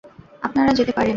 আপনারা যেতে পারেন।